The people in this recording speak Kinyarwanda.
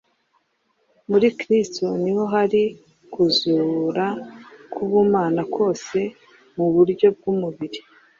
Muri Kristo “ni ho hari kuzura k’Ubumana kose mu buryo bw’umubiri